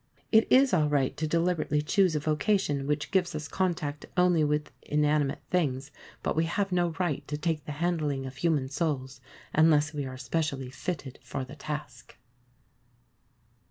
It is all right to deliberately choose a vocation which gives us contact only with inanimate things, but we have no right to take the handling of human souls unless we are specially fitted for the task.